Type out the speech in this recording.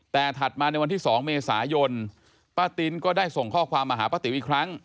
แต่ถัดมาในวันที่๒เมษายนป้าตินก็ได้ส่งข้อความมาหาป้าติ๋วอีกครั้ง